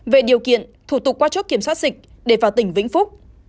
về điều kiện thủ tục qua chốt kiểm soát dịch để vào tỉnh vĩnh phúc